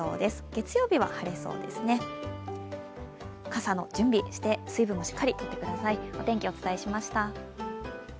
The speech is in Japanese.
傘の準備して水分もしっかりとってください。